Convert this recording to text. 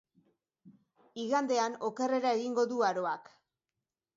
Igandean, okerrera egingo du aroak.